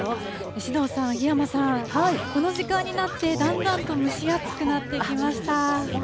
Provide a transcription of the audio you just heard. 首藤さん、檜山さん、この時間になって、だんだんと蒸し暑くなってきました。